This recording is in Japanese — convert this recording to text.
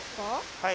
はい。